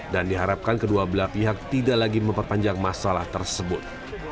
dan diharapkan kedua belah pihak tidak lagi memperpanjang masalah tersebut